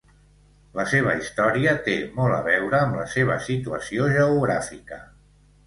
La seva història té molt a veure amb la seva situació geogràfica.